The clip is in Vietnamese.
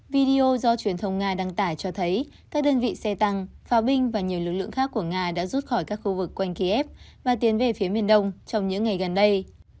video do truyền thông nga đăng tải cho thấy các đơn vị xe tăng pháo binh và nhiều lực lượng khác của nga đã rút khỏi các khu vực quanh kiev và tiến về phía miền đông trong những ngày gần đây